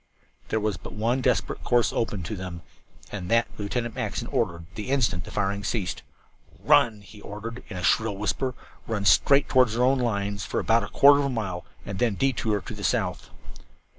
There was but one desperate course open to them, and that Lieutenant Mackinson ordered at the instant the firing ceased. "Run!" he ordered, in a shrill whisper. "Run straight toward our own lines for about a quarter of a mile and then detour to the south."